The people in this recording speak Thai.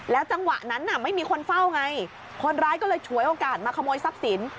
จังหวะนั้นน่ะไม่มีคนเฝ้าไงคนร้ายก็เลยฉวยโอกาสมาขโมยทรัพย์สิน